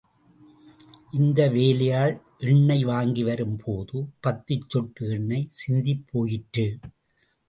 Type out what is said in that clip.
இந்த வேலையாள் எண்ணெய் வாங்கி வரும் போது, பத்துச் சொட்டு எண்ணெய் சிந்திப் போயிற்று.